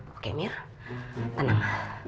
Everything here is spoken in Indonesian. oke mir tenang